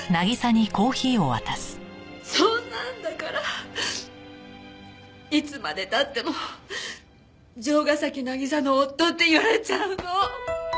そんなんだからいつまで経っても城ヶ崎渚の夫って言われちゃうの。